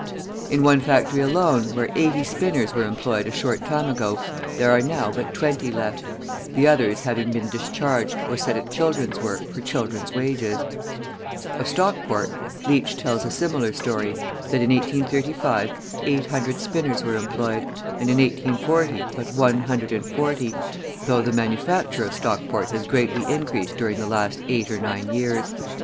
In one factory alone, where eighty spinners were employed a short time ago, there are now but twenty left; the others having been discharged or set at children's work for children's wages. Of Stockport Leach tells a similar story, that in 1835, 800 spinners were employed, and in 1840 but 140, though the manufacture of Stockport has greatly increased during the last eight or nine years.